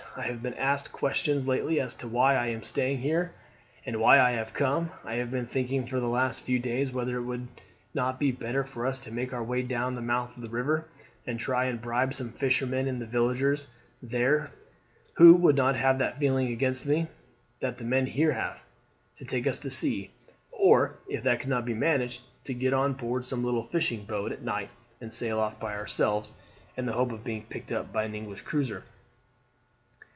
I have been asked questions lately as to why I am staying here, and why I have come. I have been thinking for the last few days whether it would not be better for us to make our way down to the mouth of the river and try and bribe some fishermen in the villages there who would not have that feeling against me that the men here have, to take us to sea, or if that could not be managed, to get on board some little fishing boat at night and sail off by ourselves in the hopes of being picked up by an English cruiser."